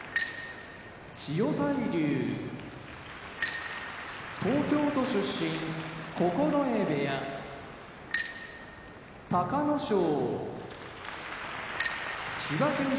千代大龍東京都出身九重部屋隆の勝千葉県出身